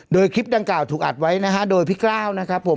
โดยคลิปดังกล่าวถูกอัดไว้นะฮะโดยพี่กล้าวนะครับผม